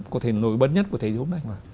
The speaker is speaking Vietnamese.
có thể nổi bất nhất của thế giới hôm nay